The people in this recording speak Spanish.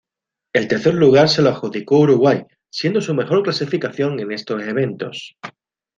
El tercer lugar se lo adjudicó Uruguay siendo su mejor clasificación en estos eventos.